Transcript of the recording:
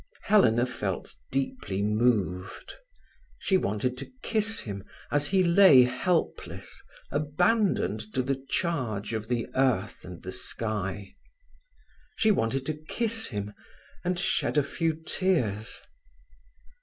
Helena felt deeply moved. She wanted to kiss him as he lay helpless, abandoned to the charge of the earth and the sky. She wanted to kiss him, and shed a few tears.